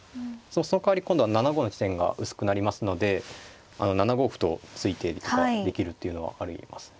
そのかわり今度は７五の地点が薄くなりますので７五歩と突いているとかできるっていうのはありえます。